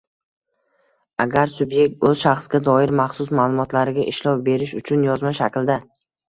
agar subyekt o‘z shaxsga doir maxsus ma’lumotlariga ishlov berish uchun yozma shaklda